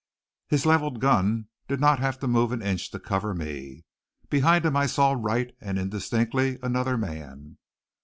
His leveled gun did not have to move an inch to cover me. Behind him I saw Wright and indistinctly, another man.